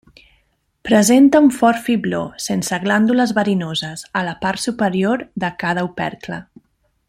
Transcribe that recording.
Presenta un fort fibló, sense glàndules verinoses, a la part superior de cada opercle.